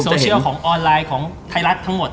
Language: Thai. อ่าอินสินโซเชียลของออนไลน์ของไทยรัฐทั้งหมด